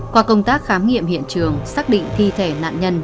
qua công tác khám nghiệm hiện trường xác định thi thể nạn nhân